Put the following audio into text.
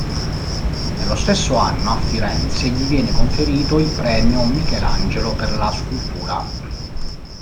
Nello stesso anno a Firenze gli viene conferito il Premio Michelangelo per la scultura.